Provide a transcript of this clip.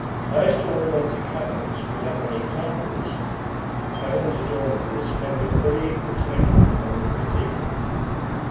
Now, as to ornamented caverns, we have many examples caverns adorned with a splendor fully equal to anything among the Kosekin.